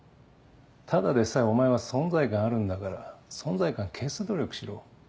ただでさえお前は存在感あるんだから存在感消す努力しろ。